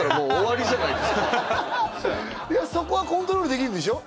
いやそこはコントロールできるんでしょ？